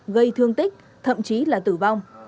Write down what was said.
gây thương tích thậm chí là tử vong